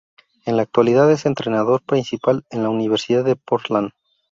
En la actualidad es entrenador principal en la Universidad de Portland.